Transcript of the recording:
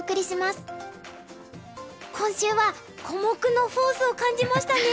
今週は小目のフォースを感じましたね。